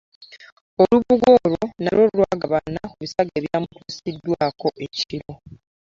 Olubugo olwo nalwo lugabana ku bisago ebyamutuusiddwako ekiro.